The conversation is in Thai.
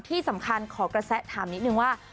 ที่สำคัญขอกระแสถามนิดนึงว่า